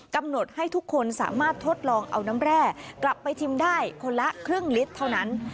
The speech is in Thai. กำหนดให้ทุกคนสามารถทดลองเอาน้ำแร่กลับไปชิมได้คนละครึ่งลิตรเท่านั้น